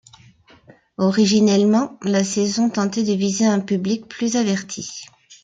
Originellement, la saison tentait de viser un public plus averti.